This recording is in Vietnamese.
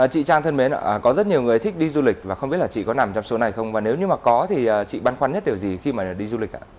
chị trang thân mến có rất nhiều người thích đi du lịch và không biết là chị có nằm trong số này không và nếu như có thì chị băn khoăn nhất điều gì khi đi du lịch